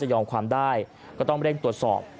ยอมความได้ก็ต้องเร่งตรวจสอบ